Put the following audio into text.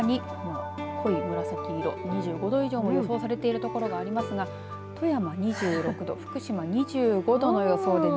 さらにこの濃い紫色２５度以上も予想されている所がありますが富山２６度福島２５度の予想